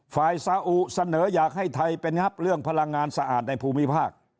สาอุเสนออยากให้ไทยไปงับเรื่องพลังงานสะอาดในภูมิภาค